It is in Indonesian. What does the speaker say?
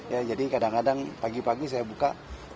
ya jadi kadang kadang pagi pagi saya buka